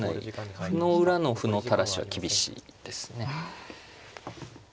歩の裏の歩の垂らしは厳しいですね。